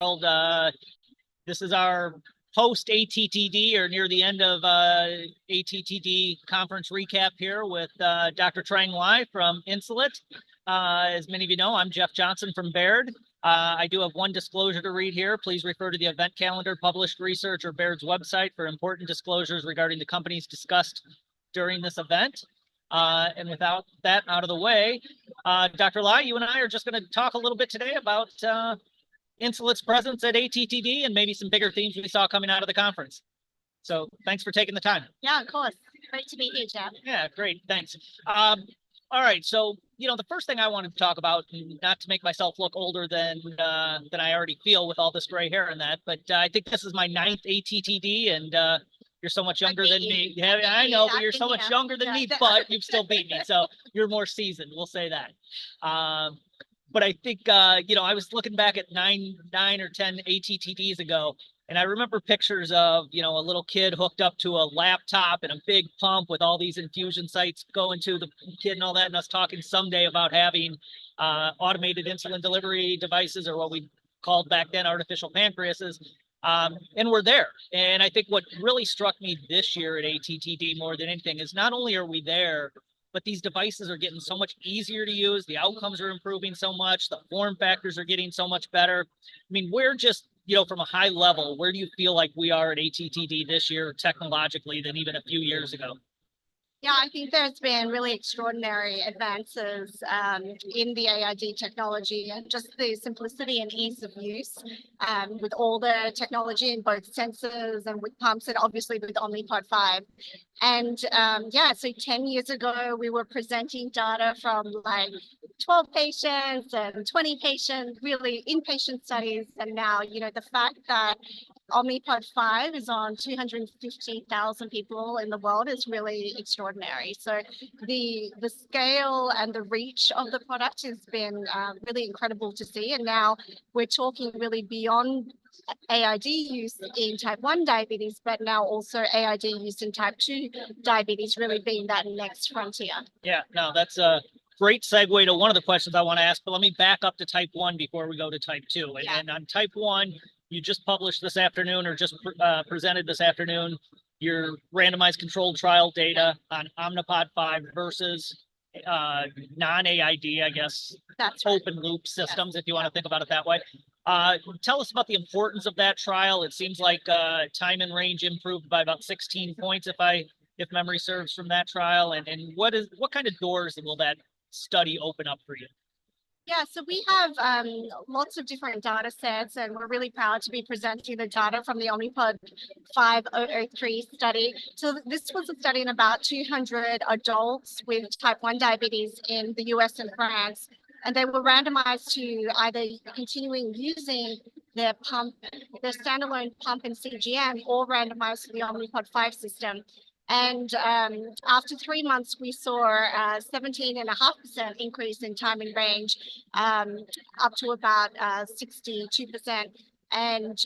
Well, this is our post-ATTD, or near the end of, ATTD conference recap here with Dr. Trang Ly from Insulet. As many of you know, I'm Jeff Johnson from Baird. I do have one disclosure to read here. Please refer to the event calendar, published research, or Baird's website for important disclosures regarding the companies discussed during this event. And without that out of the way, Dr. Ly, you and I are just going to talk a little bit today about Insulet's presence at ATTD and maybe some bigger themes we saw coming out of the conference. So thanks for taking the time. Yeah, of course. Great to be here, Jeff. Yeah, great. Thanks. All right, so, you know, the first thing I wanted to talk about, not to make myself look older than than I already feel with all this gray hair and that, but, I think this is my ninth ATTD and, you're so much younger than me. I know, but you're so much younger than me, but you've still beat me, so you're more seasoned. We'll say that. But I think, you know, I was looking back at nine or 10 ATTDs ago, and I remember pictures of, you know, a little kid hooked up to a laptop and a big pump with all these infusion sites going to the kid and all that, and us talking someday about having automated insulin delivery devices, or what we called back then artificial pancreases. And we're there. I think what really struck me this year at ATTD more than anything is not only are we there, but these devices are getting so much easier to use, the outcomes are improving so much, the form factors are getting so much better. I mean, we're just, you know, from a high level, where do you feel like we are at ATTD this year technologically than even a few years ago? Yeah, I think there's been really extraordinary advances in the AID technology and just the simplicity and ease of use with all the technology in both sensors and with pumps, and obviously with Omnipod 5. And, yeah, so 10 years ago we were presenting data from, like, 12 patients and 20 patients, really inpatient studies, and now, you know, the fact that Omnipod 5 is on 250,000 people in the world is really extraordinary. So the, the scale and the reach of the product has been really incredible to see, and now we're talking really beyond AID use in Type 1 diabetes, but now also AID use in Type 2 diabetes, really being that next frontier. Yeah, no, that's a great segue to one of the questions I want to ask, but let me back up to Type 1 before we go to Type 2. And then on Type 1, you just published this afternoon or just presented this afternoon your randomized controlled trial data on Omnipod 5 versus non-AID, I guess, open-loop systems, if you want to think about it that way. Tell us about the importance of that trial. It seems like time in range improved by about 16 points, if I, if memory serves, from that trial. And what is, what kind of doors will that study open up for you? Yeah, so we have lots of different data sets, and we're really proud to be presenting the data from the Omnipod 5-003 study. So this was a study in about 200 adults with Type 1 diabetes in the U.S. and France, and they were randomized to either continuing using their pump, their standalone pump with CGM, or randomized to the Omnipod 5 system. And after 3 months we saw a 17.5% increase in time in range, up to about 62%, and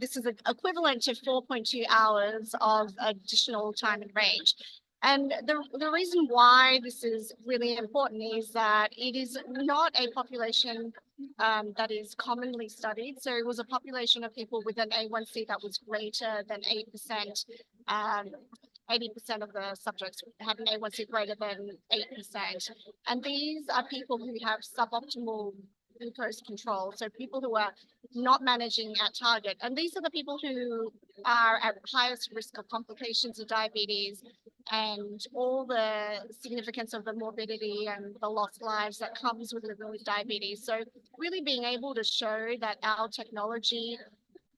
this is equivalent to 4.2 hours of additional time in range. And the reason why this is really important is that it is not a population that is commonly studied. So it was a population of people with an A1C that was greater than 8%, 80% of the subjects had an A1C greater than 8%. These are people who have suboptimal glucose control, so people who are not managing at target. These are the people who are at highest risk of complications of diabetes and all the significance of the morbidity and the lost lives that comes with living with diabetes. Really being able to show that our technology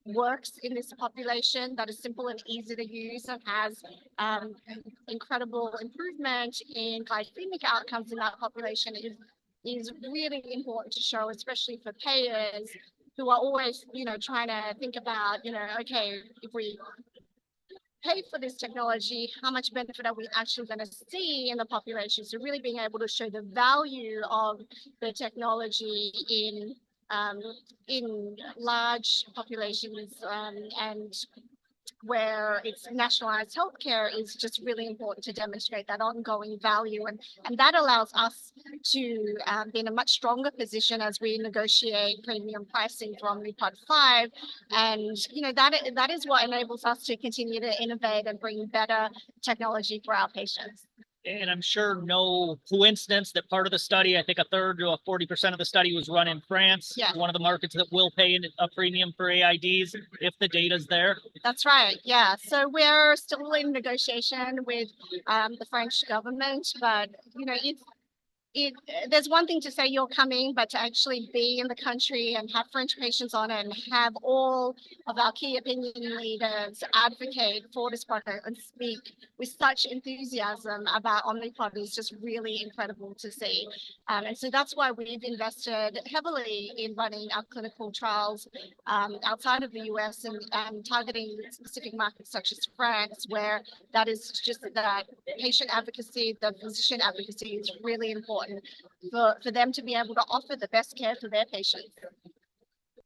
works in this population, that is simple and easy to use and has incredible improvement in glycemic outcomes in that population is really important to show, especially for payers who are always, you know, trying to think about, you know, okay, if we pay for this technology, how much benefit are we actually going to see in the population. Really being able to show the value of the technology in large populations, and where it's nationalized healthcare is just really important to demonstrate that ongoing value. And that allows us to be in a much stronger position as we negotiate premium pricing for Omnipod 5. And, you know, that is what enables us to continue to innovate and bring better technology for our patients. I'm sure no coincidence that part of the study, I think a third to 40% of the study was run in France, one of the markets that will pay a premium for AIDs if the data's there. That's right, yeah. So we're still in negotiation with the French government, but you know, if there's one thing to say you're coming, but to actually be in the country and have French patients on it and have all of our key opinion leaders advocate for this project and speak with such enthusiasm about Omnipod is just really incredible to see. So that's why we've invested heavily in running our clinical trials outside of the U.S. and targeting specific markets such as France, where that is just that patient advocacy, the physician advocacy is really important for them to be able to offer the best care for their patients.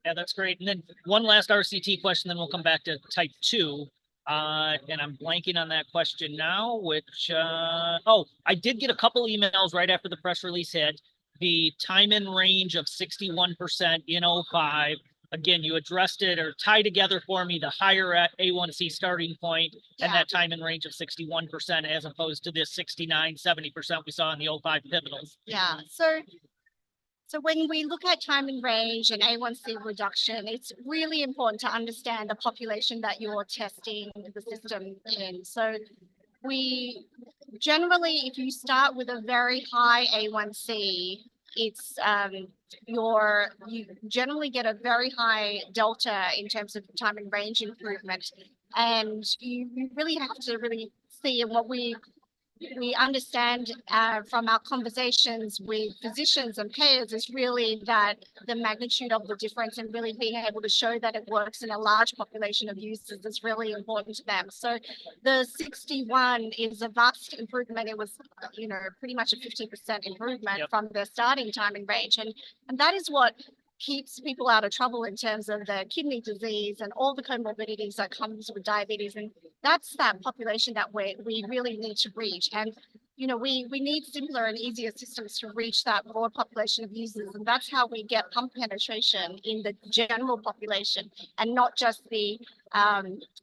Yeah, that's great. And then one last RCT question, then we'll come back to Type 2. And I'm blanking on that question now, which, oh, I did get a couple emails right after the press release hit. The time in range of 61% in Omnipod 5, again, you addressed it or tie together for me the higher A1C starting point and that time in range of 61% as opposed to this 69%-70% we saw in the Omnipod 5 pivotals. Yeah, so when we look at time in range and A1C reduction, it's really important to understand the population that you're testing the system in. So we generally, if you start with a very high A1C, you generally get a very high delta in terms of time in range improvement. And you really have to see what we understand from our conversations with physicians and payers is really that the magnitude of the difference and really being able to show that it works in a large population of users is really important to them. So the 61% is a vast improvement. It was, you know, pretty much a 15% improvement from their starting time in range. And that is what keeps people out of trouble in terms of the kidney disease and all the comorbidities that come with diabetes. And that's that population that we really need to reach. And, you know, we need simpler and easier systems to reach that broad population of users. And that's how we get pump penetration in the general population and not just the,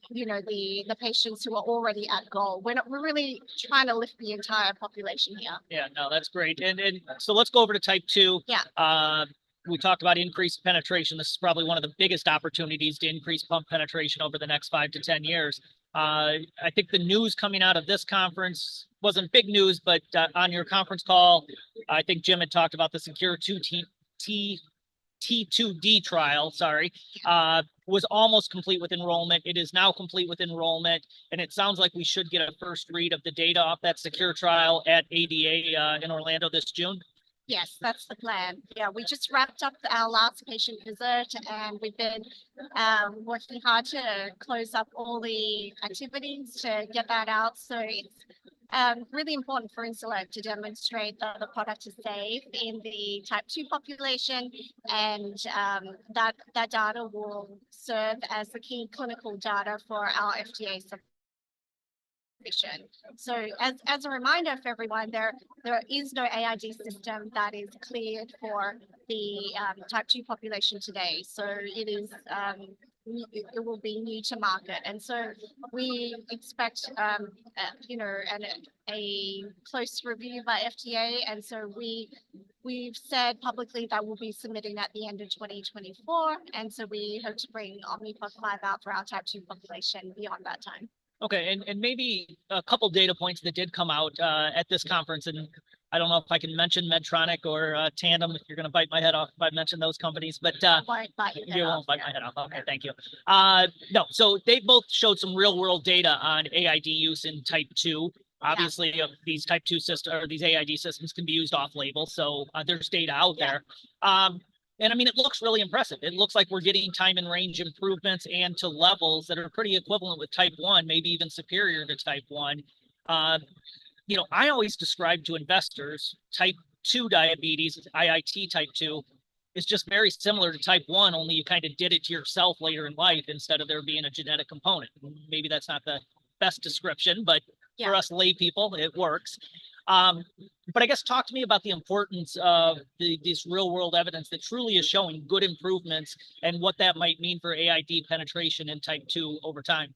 you know, the patients who are already at goal. We're not, we're really trying to lift the entire population here. Yeah, no, that's great. And so let's go over to Type 2. Yeah. We talked about increased penetration. This is probably one of the biggest opportunities to increase pump penetration over the next five to 10 years. I think the news coming out of this conference wasn't big news, but, on your conference call, I think Jim had talked about the SECURE-T2D trial, sorry, was almost complete with enrollment. It is now complete with enrollment, and it sounds like we should get a first read of the data off that SECURE trial at ADA, in Orlando this June. Yes, that's the plan. Yeah, we just wrapped up our last patient visit, and we've been working hard to close up all the activities to get that out. So it's really important for Insulet to demonstrate that the product is safe in the Type 2 population and that data will serve as the key clinical data for our FDA submission. So as a reminder for everyone, there is no AID system that is cleared for the Type 2 population today. So it is; it will be new to market. And so we expect, you know, a close review by FDA. And so we, we've said publicly that we'll be submitting at the end of 2024. And so we hope to bring Omnipod 5 out for our Type 2 population beyond that time. Okay, and maybe a couple data points that did come out, at this conference, and I don't know if I can mention Medtronic or, Tandem if you're going to bite my head off if I mention those companies, but, Won't bite your head. You won't bite my head off. Okay, thank you. No, so they both showed some real-world data on AID use in Type 2. Obviously, these Type 2 systems or these AID systems can be used off-label, so, there's data out there. I mean, it looks really impressive. It looks like we're getting time in range improvements to levels that are pretty equivalent with Type 1, maybe even superior to Type 1. You know, I always describe to investors, Type 2 diabetes, IIT Type 2, is just very similar to Type 1, only you kind of did it to yourself later in life instead of there being a genetic component. Maybe that's not the best description, but for us lay people, it works. I guess, talk to me about the importance of this real-world evidence that truly is showing good improvements and what that might mean for AID penetration in type 2 over time?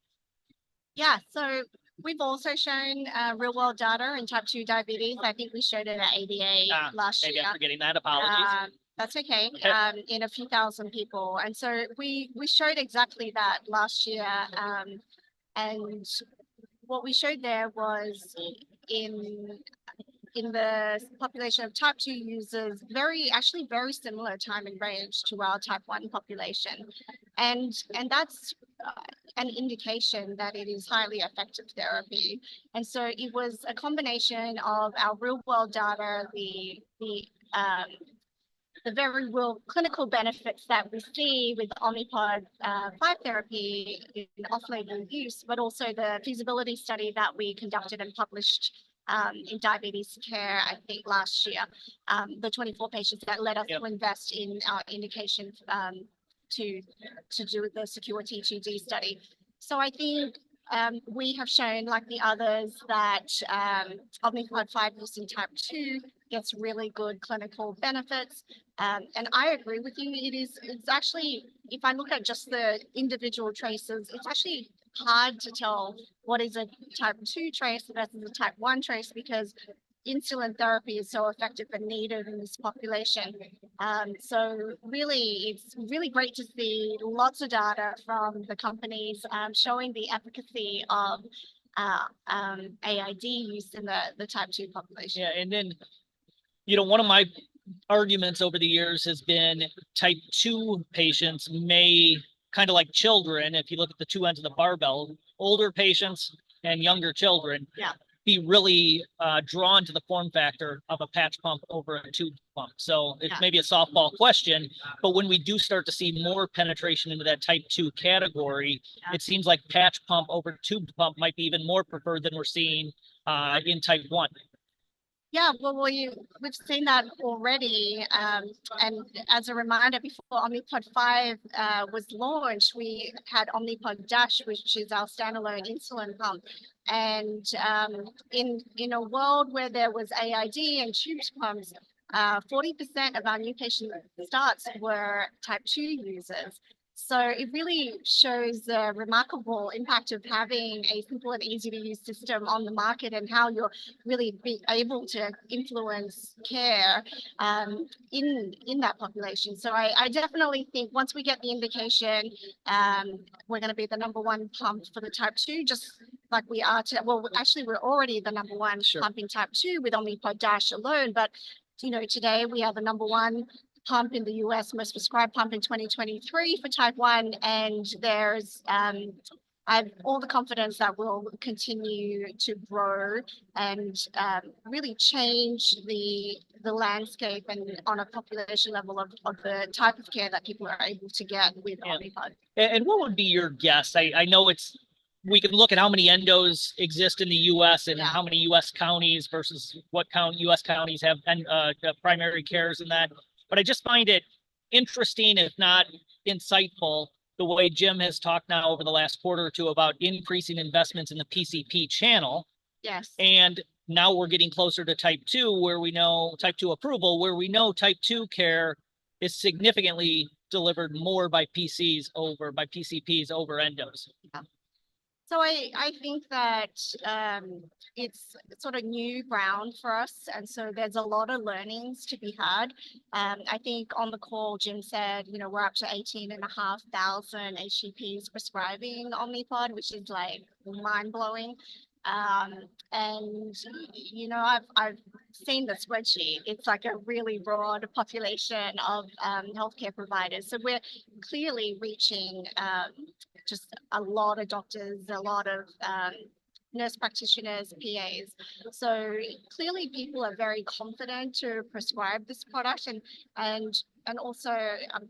Yeah, so we've also shown real-world data in Type 2 diabetes. I think we showed it at ADA last year. ADA, I'm forgetting that. Apologies. That's okay. In a few thousand people. And so we showed exactly that last year, and what we showed there was in the population of Type 2 users, very actually very similar time in range to our Type 1 population. And that's an indication that it is highly effective therapy. And so it was a combination of our real-world data, the very real clinical benefits that we see with Omnipod 5 therapy in off-label use, but also the feasibility study that we conducted and published in Diabetes Care, I think last year, the 24 patients that led us to invest in our indication to do the SECURE-T2D study. So I think we have shown, like the others, that Omnipod 5 use in Type 2 gets really good clinical benefits. And I agree with you. It is, it's actually, if I look at just the individual traces, it's actually hard to tell what is a Type 2 trace versus a Type 1 trace because insulin therapy is so effective and needed in this population. So really, it's really great to see lots of data from the companies, showing the efficacy of AID use in the Type 2 population. Yeah, and then, you know, one of my arguments over the years has been Type 2 patients may, kind of like children, if you look at the two ends of the barbell, older patients and younger children be really drawn to the form factor of a patch pump over a tube pump. So it's maybe a softball question, but when we do start to see more penetration into that Type 2 category, it seems like patch pump over tubed pump might be even more preferred than we're seeing in Type 1. Yeah, well, we've seen that already. And as a reminder, before Omnipod 5 was launched, we had Omnipod DASH, which is our standalone insulin pump. In a world where there was AID and tubed pumps, 40% of our new patient starts were Type 2 users. So it really shows the remarkable impact of having a simple and easy-to-use system on the market and how you're really being able to influence care in that population. I definitely think once we get the indication, we're going to be the number one pump for the Type 2, just like we are, well, actually we're already the number one pumping Type 2 with Omnipod DASH alone. But you know, today we are the number one pump in the U.S., most prescribed pump in 2023 for Type 1. And there's, I have all the confidence that we'll continue to grow and really change the landscape and on a population level of the type of care that people are able to get with Omnipod. What would be your guess? I know it's, we can look at how many endos exist in the U.S. and how many U.S. counties versus what county, U.S. counties have, and primary cares in that. But I just find it interesting, if not insightful, the way Jim has talked now over the last quarter or two about increasing investments in the PCP channel. Yes. Now we're getting closer to Type 2, where we know Type 2 approval, where we know Type 2 care is significantly delivered more by PCPs over endos. Yeah. So I think that it's sort of new ground for us. And so there's a lot of learnings to be had. I think on the call, Jim said, you know, we're up to 18,500 HCPs prescribing Omnipod, which is like mind-blowing. And you know, I've seen the spreadsheet. It's like a really broad population of healthcare providers. So we're clearly reaching just a lot of doctors, a lot of nurse practitioners, PAs. So clearly people are very confident to prescribe this product. And also, I'm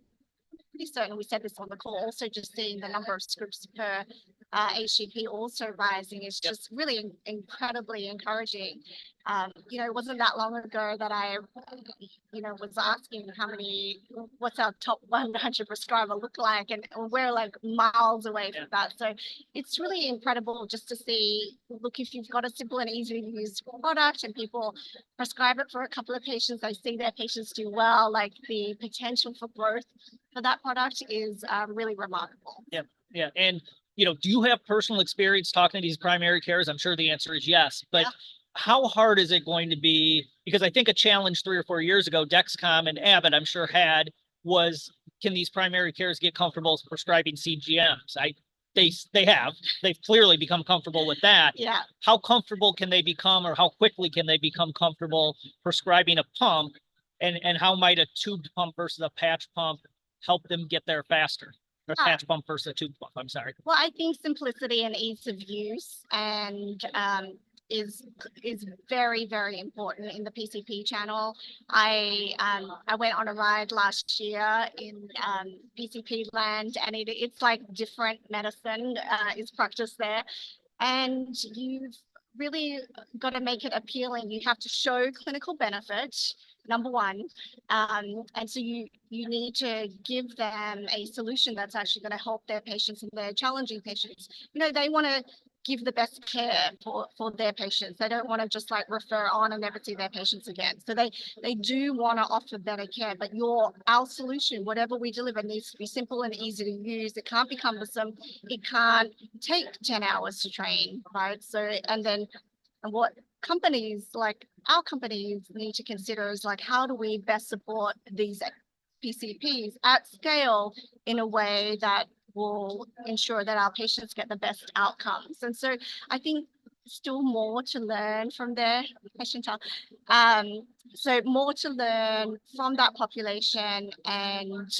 pretty certain we said this on the call, also just seeing the number of scripts per HCP also rising is just really incredibly encouraging. You know, it wasn't that long ago that I you know was asking how many, what's our top 100 prescriber look like, and we're like miles away from that. So it's really incredible just to see, look, if you've got a simple and easy-to-use product and people prescribe it for a couple of patients, they see their patients do well. Like, the potential for growth for that product is really remarkable. Yeah, yeah. And, you know, do you have personal experience talking to these primary carers? I'm sure the answer is yes. But how hard is it going to be? Because I think a challenge three or four years ago, Dexcom and Abbott, I'm sure, had was, can these primary carers get comfortable prescribing CGMs? I, they, they have. They've clearly become comfortable with that. Yeah, how comfortable can they become, or how quickly can they become comfortable prescribing a pump? And, and how might a tubed pump versus a patch pump help them get there faster? A patch pump versus a tubed pump, I'm sorry. Well, I think simplicity and ease of use and is very, very important in the PCP channel. I went on a ride last year in PCP land, and it's like different medicine is practiced there. And you've really got to make it appealing. You have to show clinical benefit, number one. And so you need to give them a solution that's actually going to help their patients and their challenging patients. You know, they want to give the best care for their patients. They don't want to just like refer on and never see their patients again. So they do want to offer better care. But your, our solution, whatever we deliver, needs to be simple and easy to use. It can't be cumbersome. It can't take 10 hours to train, right? What companies, like our companies, need to consider is like, how do we best support these PCPs at scale in a way that will ensure that our patients get the best outcomes? And so I think still more to learn from their clientele. So more to learn from that population. And,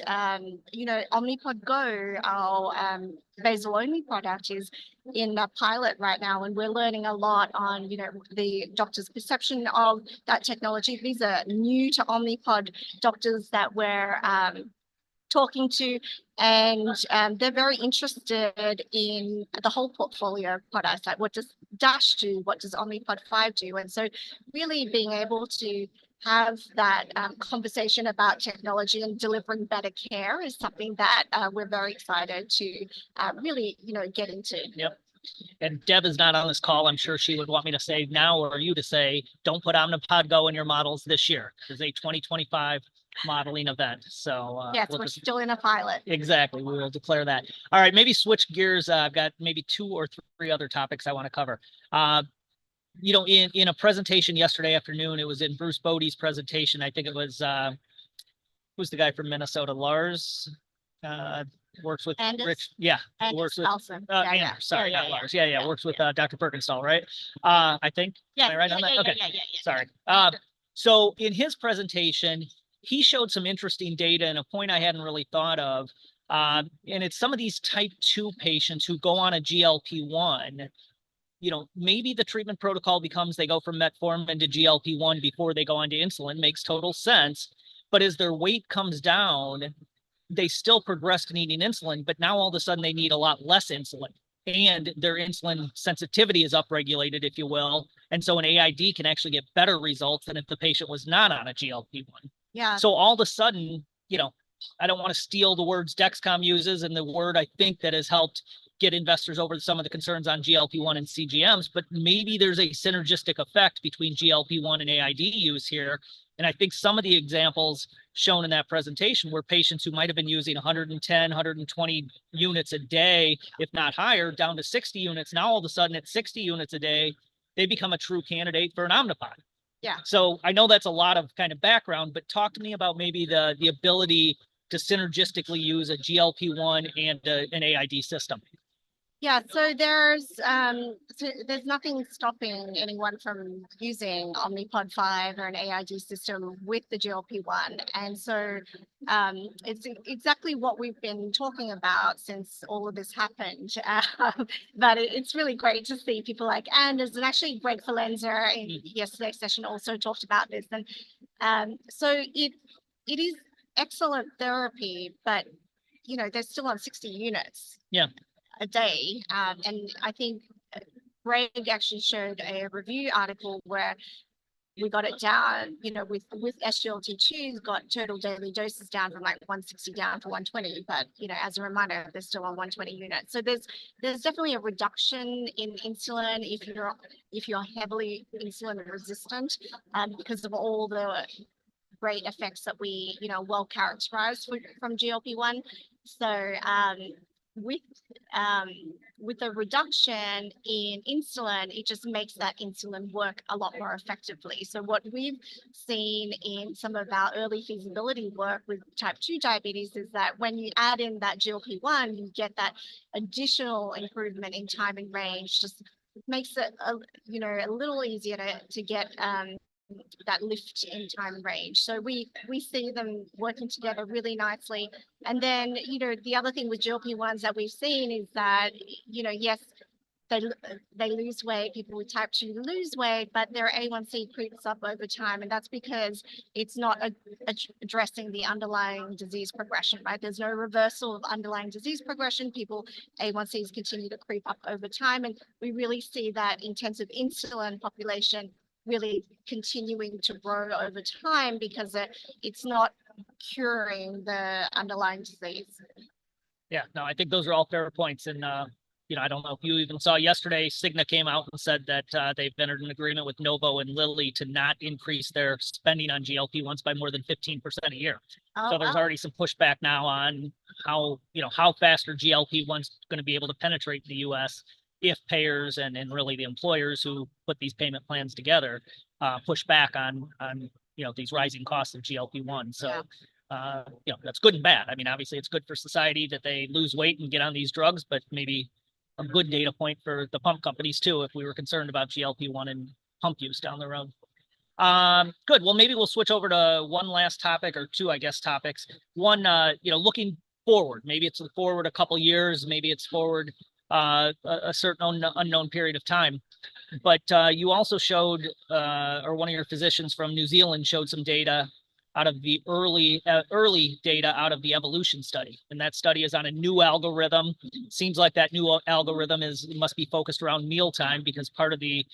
you know, Omnipod GO, our basal-only product is in a pilot right now. And we're learning a lot on, you know, the doctor's perception of that technology. These are new to Omnipod doctors that we're talking to. And, they're very interested in the whole portfolio of products. Like, what does Dash do? What does Omnipod 5 do? And so really being able to have that conversation about technology and delivering better care is something that, we're very excited to, really, you know, get into. Yep. And Deb is not on this call. I'm sure she would want me to say now, or you to say, don't put Omnipod GO in your models this year. There's a 2025 modeling event. So, we're. Yeah, it's still in a pilot. Exactly. We will declare that. All right, maybe switch gears. I've got maybe two or three other topics I want to cover. You know, in a presentation yesterday afternoon, it was in Bruce Bode's presentation. I think it was, who's the guy from Minnesota? Anders, works with Rich. Yeah, works with. Anders Carlson. Sorry, not Lars. Yeah, yeah, works with Dr. Bergenstal, right? I think? Am I right on that? Okay. Sorry. So in his presentation, he showed some interesting data and a point I hadn't really thought of. And it's some of these Type 2 patients who go on a GLP-1. You know, maybe the treatment protocol becomes they go from metformin to GLP-1 before they go on to insulin. Makes total sense. But as their weight comes down, they still progress to needing insulin, but now all of a sudden they need a lot less insulin. And their insulin sensitivity is upregulated, if you will. And so an AID can actually get better results than if the patient was not on a GLP-1. Yeah, so all of a sudden, you know, I don't want to steal the words Dexcom uses and the word I think that has helped get investors over some of the concerns on GLP-1 and CGMs, but maybe there's a synergistic effect between GLP-1 and AID use here. And I think some of the examples shown in that presentation were patients who might have been using 110, 120 units a day, if not higher, down to 60 units. Now all of a sudden at 60 units a day, they become a true candidate for an Omnipod. Yeah, so I know that's a lot of kind of background, but talk to me about maybe the ability to synergistically use a GLP-1 and an AID system. Yeah, so there's nothing stopping anyone from using Omnipod 5 or an AID system with the GLP-1. It's exactly what we've been talking about since all of this happened. But it's really great to see people like Anders and actually Greg Forlenza in yesterday's session also talked about this. So it is excellent therapy, but, you know, they're still on 60 units. Yeah. Anyway. I think Greg actually showed a review article where we got it down, you know, with SGLT2s, got total daily doses down from like 160 down to 120. But, you know, as a reminder, they're still on 120 units. So there's definitely a reduction in insulin if you're heavily insulin resistant, because of all the great effects that we, you know, well characterized from GLP-1. So, with the reduction in insulin, it just makes that insulin work a lot more effectively. So what we've seen in some of our early feasibility work with Type 2 diabetes is that when you add in that GLP-1, you get that additional improvement in time in range, just makes it, you know, a little easier to get that lift in time in range. So we see them working together really nicely. And then, you know, the other thing with GLP-1s that we've seen is that, you know, yes, they, they lose weight. People with Type 2 lose weight, but their A1C creeps up over time. And that's because it's not addressing the underlying disease progression, right? There's no reversal of underlying disease progression. People, A1Cs continue to creep up over time. And we really see that intensive insulin population really continuing to grow over time because it's not curing the underlying disease. Yeah, no, I think those are all fair points. And, you know, I don't know if you even saw yesterday, Cigna came out and said that, they've entered an agreement with Novo and Lilly to not increase their spending on GLP-1s by more than 15% a year. So there's already some pushback now on how, you know, how fast are GLP-1s going to be able to penetrate the U.S. if payers and, and really the employers who put these payment plans together, push back on, on, you know, these rising costs of GLP-1. So, you know, that's good and bad. I mean, obviously it's good for society that they lose weight and get on these drugs, but maybe a good data point for the pump companies too if we were concerned about GLP-1 and pump use down the road. Good. Well, maybe we'll switch over to one last topic or two, I guess, topics. One, you know, looking forward. Maybe it's forward a couple of years. Maybe it's forward a certain unknown period of time. But you also showed, or one of your physicians from New Zealand showed some data out of the early, early data out of the EVOLUTION study. And that study is on a new algorithm. Seems like that new algorithm must be focused around mealtime because part of the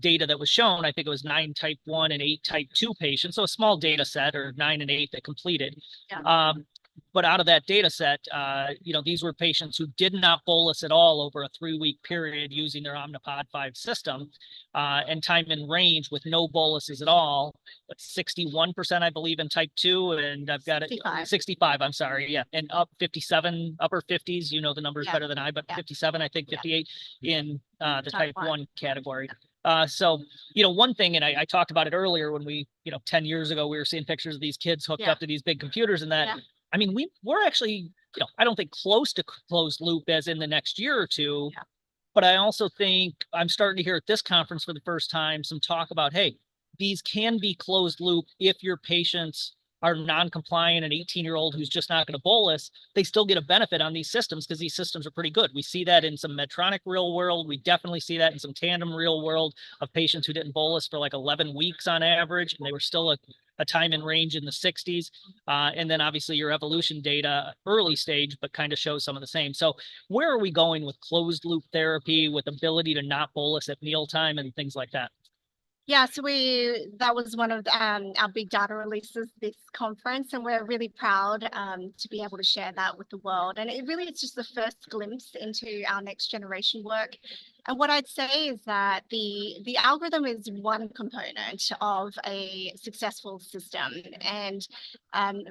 data that was shown, I think it was 9 Type 1 and 8 Type 2 patients. So a small data set or 9 and 8 that completed. But out of that data set, you know, these were patients who did not bolus at all over a 3-week period using their Omnipod 5 system, and time in range with no boluses at all. But 61%, I believe, in Type 2. And I've got it. 65. 65, I'm sorry. Yeah. And up 57, upper 50s. You know the numbers better than I, but 57, I think 58 in the Type 1 category. So, you know, one thing, and I talked about it earlier when we, you know, 10 years ago, we were seeing pictures of these kids hooked up to these big computers and that. I mean, we, we're actually, you know, I don't think close to closed loop as in the next year or two. But I also think I'm starting to hear at this conference for the first time some talk about, hey, these can be closed loop if your patients are non-compliant, an 18-year-old who's just not going to bolus, they still get a benefit on these systems because these systems are pretty good. We see that in some Medtronic real-world. We definitely see that in some Tandem real-world data of patients who didn't bolus for like 11 weeks on average, and they were still a time in range in the 60s%. And then obviously your evolution data early stage, but kind of shows some of the same. So where are we going with closed loop therapy with ability to not bolus at mealtime and things like that? Yeah, so that was one of our big data releases this conference, and we're really proud to be able to share that with the world. And it really is just the first glimpse into our next generation work. And what I'd say is that the algorithm is one component of a successful system. And,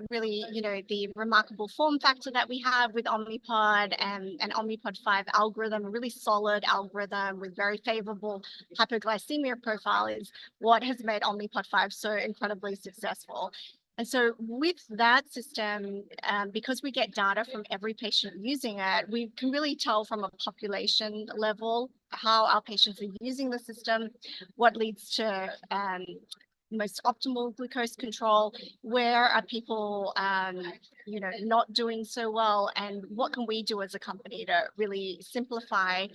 really, you know, the remarkable form factor that we have with Omnipod and Omnipod 5 algorithm, a really solid algorithm with very favorable hypoglycemia profile, is what has made Omnipod 5 so incredibly successful. And so with that system, because we get data from every patient using it, we can really tell from a population level how our patients are using the system, what leads to most optimal glucose control, where are people, you know, not doing so well, and what can we do as a company to really simplify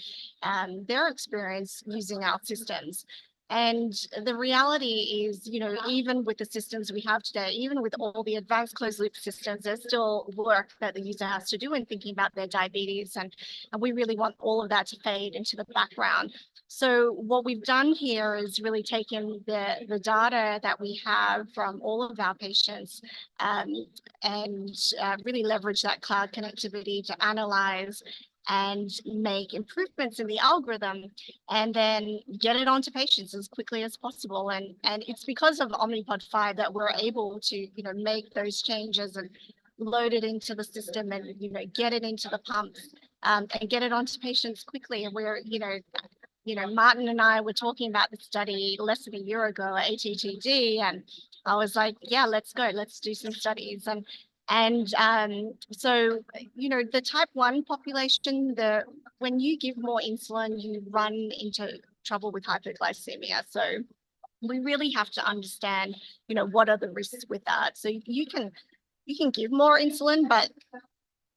their experience using our systems. And the reality is, you know, even with the systems we have today, even with all the advanced closed loop systems, there's still work that the user has to do in thinking about their diabetes. And we really want all of that to fade into the background. So what we've done here is really taken the data that we have from all of our patients, and really leverage that cloud connectivity to analyze and make improvements in the algorithm and then get it onto patients as quickly as possible. And it's because of Omnipod 5 that we're able to, you know, make those changes and load it into the system and, you know, get it into the pumps, and get it onto patients quickly. And we're, you know, you know, Martin and I were talking about the study less than a year ago, ATTD, and I was like, yeah, let's go. Let's do some studies. So, you know, the Type 1 population, when you give more insulin, you run into trouble with hypoglycemia. So we really have to understand, you know, what are the risks with that. So you can, you can give more insulin, but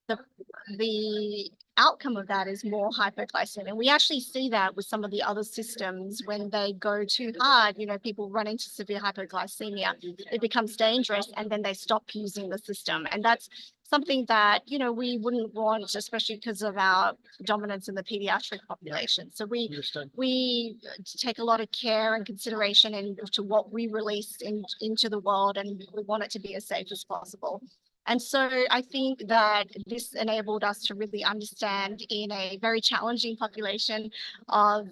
the outcome of that is more hypoglycemia. And we actually see that with some of the other systems when they go too hard, you know, people run into severe hypoglycemia, it becomes dangerous, and then they stop using the system. And that's something that, you know, we wouldn't want, especially because of our dominance in the pediatric population. So we take a lot of care and consideration into what we release into the world, and we want it to be as safe as possible. And so I think that this enabled us to really understand in a very challenging population of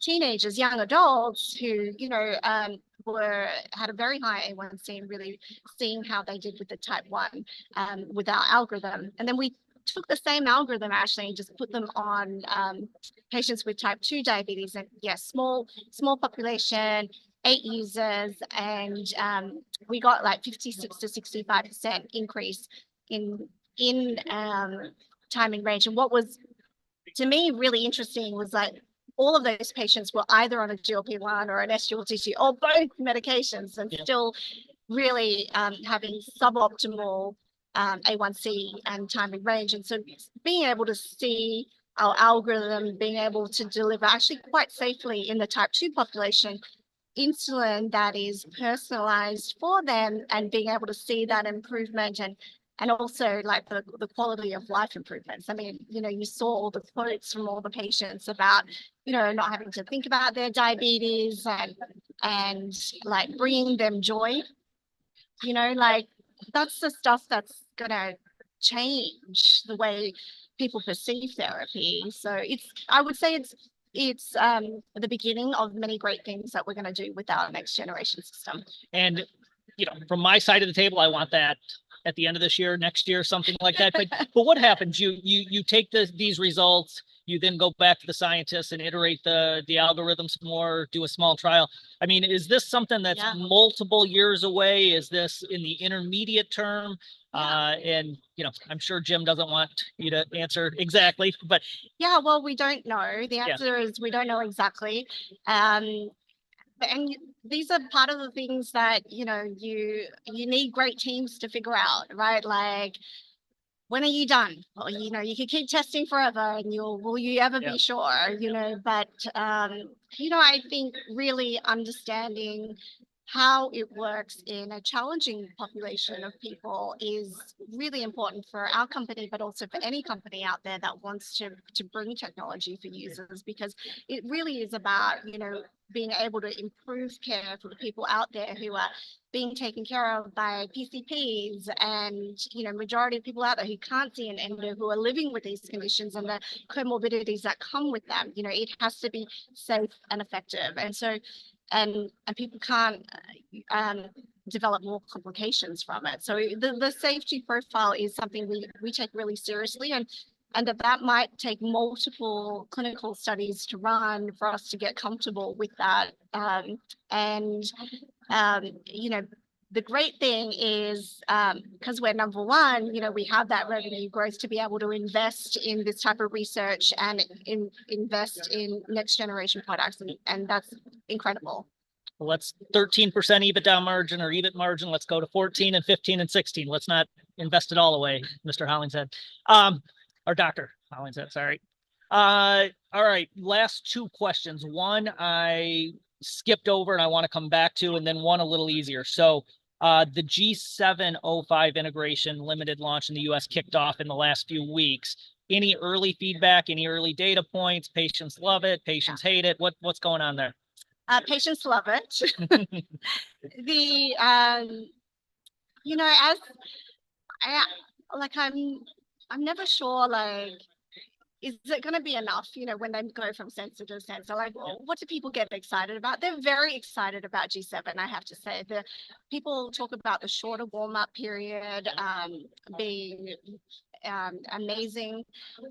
teenagers, young adults who, you know, were, had a very high A1C, and really seeing how they did with the Type 1, with our algorithm. And then we took the same algorithm, actually, and just put them on patients with Type 2 diabetes. Yes, small, small population, eight users, and we got like 56%-65% increase in time in range. What was, to me, really interesting was like all of those patients were either on a GLP-1 or an SGLT2 or both medications and still really having suboptimal A1C and time in range. So being able to see our algorithm being able to deliver actually quite safely in the Type 2 population insulin that is personalized for them and being able to see that improvement and also like the quality of life improvements. I mean, you know, you saw all the quotes from all the patients about, you know, not having to think about their diabetes and like bringing them joy. You know, like that's the stuff that's going to change the way people perceive therapy. So it's, I would say, the beginning of many great things that we're going to do with our next generation system. You know, from my side of the table, I want that at the end of this year, next year, something like that. But what happens? You take these results, you then go back to the scientists and iterate the algorithms more, do a small trial. I mean, is this something that's multiple years away? Is this in the intermediate term? You know, I'm sure Jim doesn't want you to answer exactly, but. Yeah, well, we don't know. The answer is we don't know exactly. These are part of the things that, you know, you, you need great teams to figure out, right? Like, when are you done? Or, you know, you could keep testing forever and you'll, will you ever be sure? You know, but, you know, I think really understanding how it works in a challenging population of people is really important for our company, but also for any company out there that wants to, to bring technology for users because it really is about, you know, being able to improve care for the people out there who are being taken care of by PCPs and, you know, the majority of people out there who can't see an endo who are living with these conditions and the comorbidities that come with them. You know, it has to be safe and effective. And so, people can't develop more complications from it. So the safety profile is something we take really seriously and that might take multiple clinical studies to run for us to get comfortable with that. And you know, the great thing is, because we're number one, you know, we have that revenue growth to be able to invest in this type of research and invest in next generation products. And that's incredible. Well, that's 13% EBITDA margin or EBIT margin. Let's go to 14, 15, and 16. Let's not invest it all away, Mr. Hollingshead, or Dr. Hollingshead, sorry. All right. Last two questions. One I skipped over and I want to come back to, and then one a little easier. So, the G7 integration limited launch in the U.S. kicked off in the last few weeks. Any early feedback, any early data points? Patients love it. Patients hate it. What, what's going on there? Patients love it. You know, as, like, I'm never sure, like, is it going to be enough, you know, when they go from sensor to sensor? Like, what do people get excited about? They're very excited about G7, I have to say. The people talk about the shorter warm-up period being amazing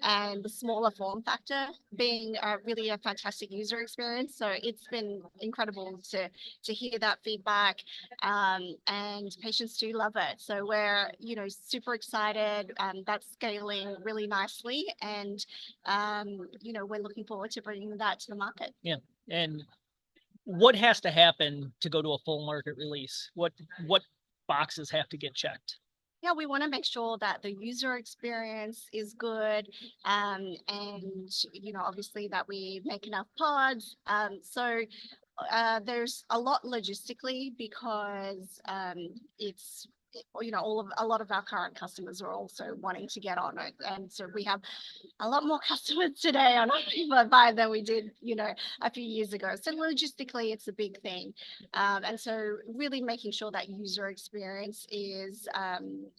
and the smaller form factor being a really fantastic user experience. So it's been incredible to hear that feedback. And patients do love it. So we're, you know, super excited and that's scaling really nicely. And, you know, we're looking forward to bringing that to the market. Yeah. And what has to happen to go to a full market release? What, what boxes have to get checked? Yeah, we want to make sure that the user experience is good. And, you know, obviously that we make enough pods. So, there's a lot logistically because, you know, all of, a lot of our current customers are also wanting to get on it. And so we have a lot more customers today on Omnipod 5 than we did, you know, a few years ago. So logistically, it's a big thing. And so really making sure that user experience is,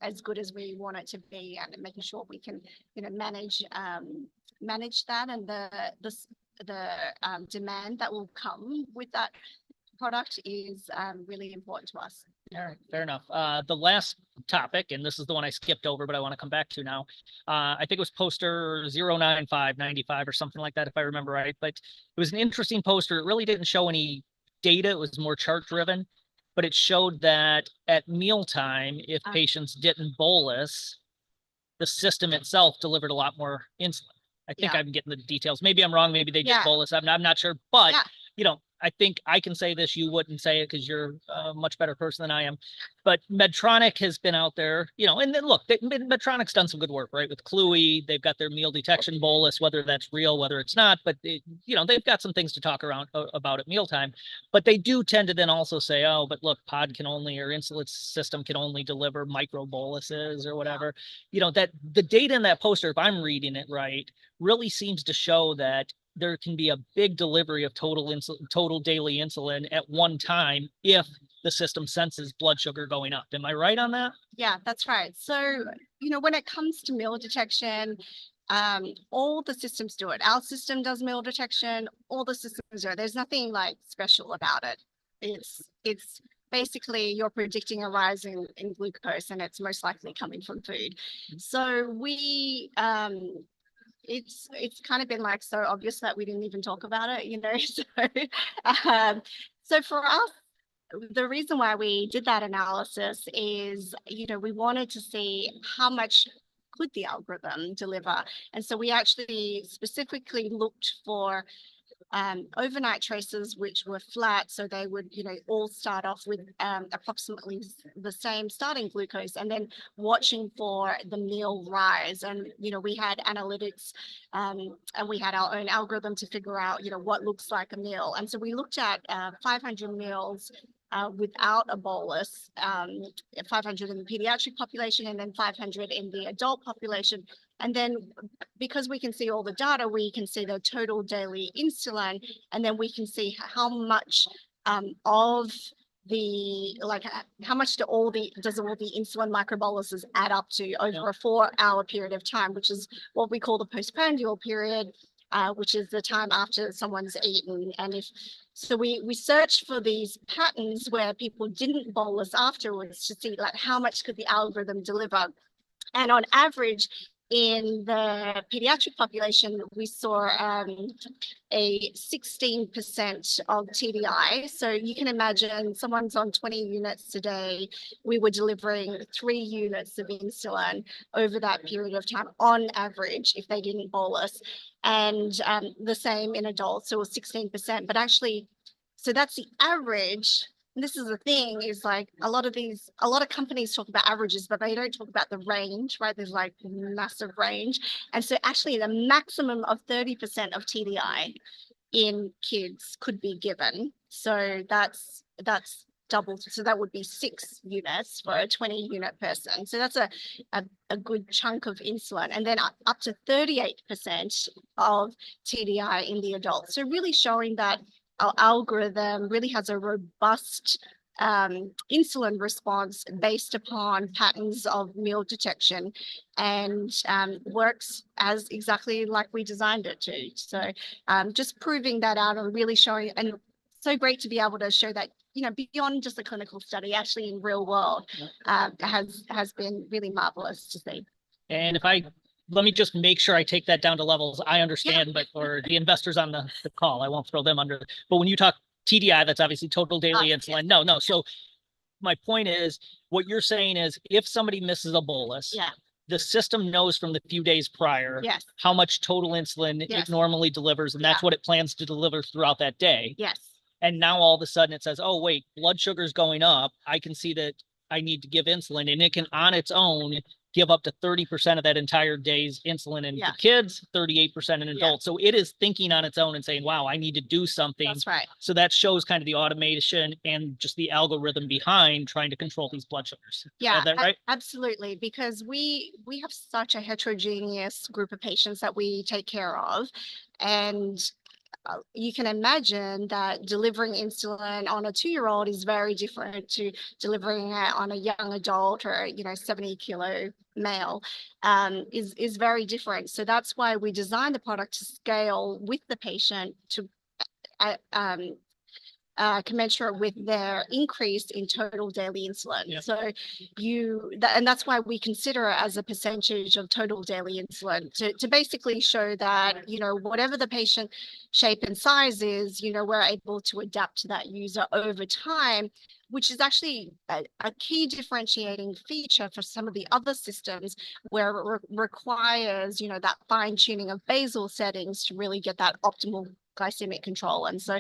as good as we want it to be and making sure we can, you know, manage that and the demand that will come with that product is, really important to us. All right. Fair enough. The last topic, and this is the one I skipped over, but I want to come back to now. I think it was poster 09595 or something like that, if I remember right. But it was an interesting poster. It really didn't show any data. It was more chart-driven. But it showed that at mealtime, if patients didn't bolus, the system itself delivered a lot more insulin. I think I'm getting the details. Maybe I'm wrong. Maybe they just bolus. I'm not sure. But, you know, I think I can say this. You wouldn't say it because you're a much better person than I am. But Medtronic has been out there, you know, and then look, Medtronic's done some good work, right, with Klue. They've got their meal detection bolus, whether that's real, whether it's not. But, you know, they've got some things to talk around about at mealtime. But they do tend to then also say, oh, but look, pod can only, or insulin system can only deliver micro boluses or whatever. You know, that the data in that poster, if I'm reading it right, really seems to show that there can be a big delivery of total total daily insulin at one time if the system senses blood sugar going up. Am I right on that? Yeah, that's right. So, you know, when it comes to meal detection, all the systems do it. Our system does meal detection. All the systems do it. There's nothing like special about it. It's, it's basically you're predicting a rise in in glucose and it's most likely coming from food. So we, it's, it's kind of been like so obvious that we didn't even talk about it, you know. So, so for us, the reason why we did that analysis is, you know, we wanted to see how much could the algorithm deliver. And so we actually specifically looked for overnight traces, which were flat. So they would, you know, all start off with approximately the same starting glucose and then watching for the meal rise. And, you know, we had analytics, and we had our own algorithm to figure out, you know, what looks like a meal. So we looked at 500 meals without a bolus, 500 in the pediatric population and then 500 in the adult population. Then because we can see all the data, we can see the total daily insulin and then we can see how much of the like how much does all the insulin microboluses add up to over a 4-hour period of time, which is what we call the postprandial period, which is the time after someone's eaten. So we searched for these patterns where people didn't bolus afterwards to see like how much could the algorithm deliver. On average, in the pediatric population, we saw 16% of TDI. So you can imagine someone's on 20 units a day. We were delivering 3 units of insulin over that period of time on average if they didn't bolus. The same in adults. So it was 16%. But actually, so that's the average. And this is the thing is like a lot of these, a lot of companies talk about averages, but they don't talk about the range, right? There's like massive range. And so actually the maximum of 30% of TDI in kids could be given. So that's doubled. So that would be 6 units for a 20-unit person. So that's a good chunk of insulin. And then up to 38% of TDI in the adults. So really showing that our algorithm really has a robust insulin response based upon patterns of meal detection and works as exactly like we designed it to. Just proving that out and really showing, and so great to be able to show that, you know, beyond just a clinical study, actually in real world, has been really marvelous to see. And if I let me just make sure I take that down to levels. I understand, but for the investors on the call, I won't throw them under. But when you talk TDI, that's obviously total daily insulin. No, no. So my point is what you're saying is if somebody misses a bolus, yeah, the system knows from the few days prior how much total insulin it normally delivers, and that's what it plans to deliver throughout that day. Yes. And now all of a sudden it says, oh, wait, blood sugar's going up. I can see that I need to give insulin. And it can on its own give up to 30% of that entire day's insulin in the kids, 38% in adults. So it is thinking on its own and saying, wow, I need to do something. That's right. That shows kind of the automation and just the algorithm behind trying to control these blood sugars. Yeah. Is that right? Absolutely. Because we have such a heterogeneous group of patients that we take care of. You can imagine that delivering insulin on a two-year-old is very different to delivering it on a young adult or, you know, 70-kilo male is very different. So that's why we designed the product to scale with the patient, commensurate with their increase in total daily insulin. And that's why we consider it as a percentage of total daily insulin to basically show that, you know, whatever the patient shape and size is, you know, we're able to adapt to that user over time, which is actually a key differentiating feature for some of the other systems where it requires, you know, that fine-tuning of basal settings to really get that optimal glycemic control. So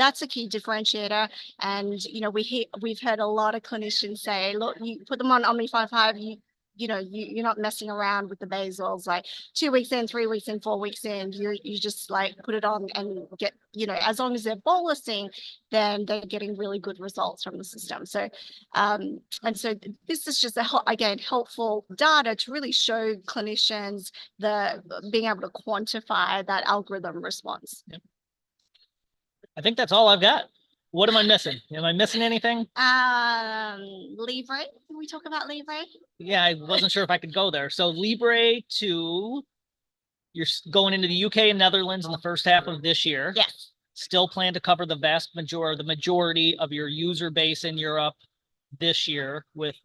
that's a key differentiator. You know, we hear, we've heard a lot of clinicians say, look, you put them on Omnipod 5, you, you know, you, you're not messing around with the basals. Like two weeks in, three weeks in, four weeks in, you, you just like put it on and get, you know, as long as they're bolusing, then they're getting really good results from the system. So, and so this is just a, again, helpful data to really show clinicians the being able to quantify that algorithm response. I think that's all I've got. What am I missing? Am I missing anything? Libre. Can we talk about Libre? Yeah, I wasn't sure if I could go there. So Libre 2, you're going into the U.K. and Netherlands in the first half of this year. Yes. Still plan to cover the vast majority, the majority of your user base in Europe this year with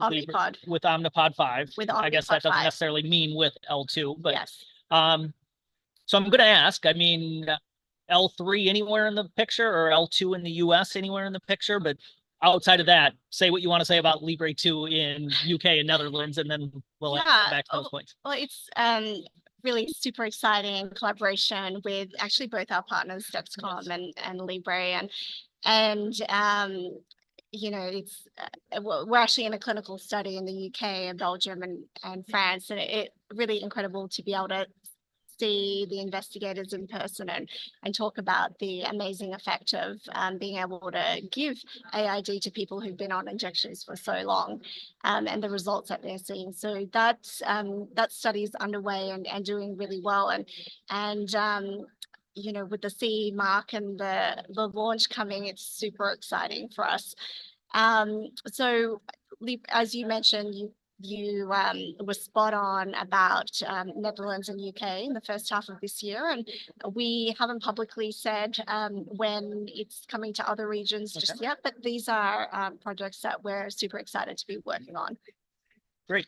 Omnipod 5. I guess that doesn't necessarily mean with L2, but, so I'm going to ask, I mean, L3 anywhere in the picture or L2 in the U.S. anywhere in the picture? But outside of that, say what you want to say about Libre 2 in U.K. and Netherlands, and then we'll come back to those points. Well, it's really super exciting collaboration with actually both our partners, Dexcom and Libre. And, you know, it's, we're actually in a clinical study in the U.K. and Belgium and France. And it really incredible to be able to see the investigators in person and talk about the amazing effect of being able to give AID to people who've been on injections for so long, and the results that they're seeing. So that's, that study is underway and doing really well. And, you know, with the CE mark and the launch coming, it's super exciting for us. So as you mentioned, you were spot on about Netherlands and U.K. in the first half of this year. And we haven't publicly said when it's coming to other regions just yet, but these are projects that we're super exciting to be working on. Great.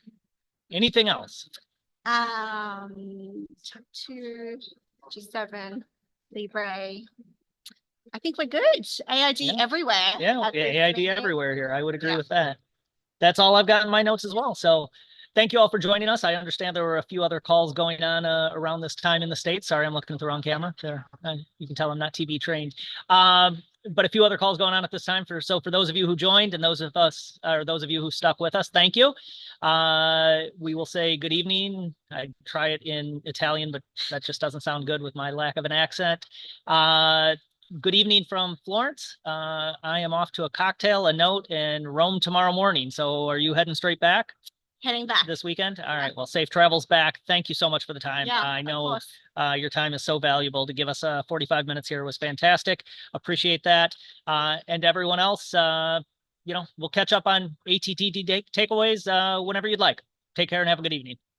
Anything else? Top two, G7, Libre. I think we're good. AID everywhere. Yeah, AID everywhere here. I would agree with that. That's all I've got in my notes as well. So thank you all for joining us. I understand there were a few other calls going on around this time in the States. Sorry, I'm looking at the wrong camera. There. You can tell I'm not TV-trained, but a few other calls going on at this time, so for those of you who joined and those of you who stuck with us, thank you. We will say good evening. I tried it in Italian, but that just doesn't sound good with my lack of an accent. Good evening from Florence. I am off to a cocktail and a night in Rome tomorrow morning. So are you heading straight back? Heading back. This weekend? All right. Well, safe travels back. Thank you so much for the time. I know, your time is so valuable. To give us 45 minutes here was fantastic. Appreciate that. Everyone else, you know, we'll catch up on ATTD takeaways whenever you'd like. Take care and have a good evening.